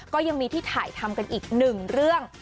ก็ยังมีที่ถ่ายทำกันอีกหนึ่งเรื่อง